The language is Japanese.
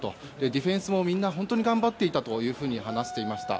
ディフェンスも、みんな本当に頑張っていたと話していました。